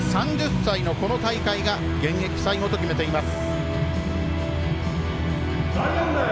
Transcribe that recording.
３０歳の、この大会が現役最後と決めています。